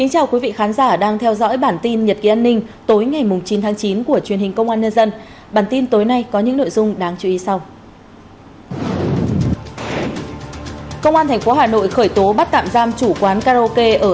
hãy đăng ký kênh để ủng hộ kênh của chúng mình nhé